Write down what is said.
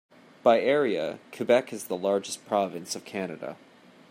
By area, Quebec is the largest province of Canada.